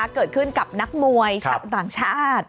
เกิดขึ้นกับนักมวยชาวต่างชาติ